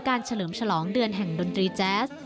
เฉลิมฉลองเดือนแห่งดนตรีแจ๊ส